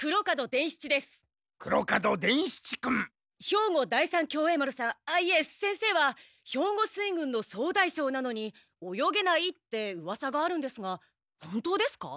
兵庫第三協栄丸さんあっいえ先生は兵庫水軍の総大将なのに泳げないってうわさがあるんですが本当ですか？